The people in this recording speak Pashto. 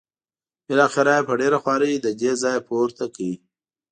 بالاخره یې په ډېره خوارۍ له دې ځایه پورته کړ.